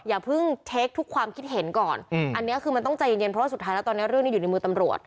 อย่าเพิ่งเช็คทุกความคิดเห็นก่อนอันนี้คือมันต้องใจเย็นเพราะว่าสุดท้ายแล้วตอนนี้เรื่องนี้อยู่ในมือตำรวจ